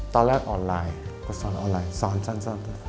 ตอนแรกออนไลน์ก็สอนออนไลน์สอนสั้น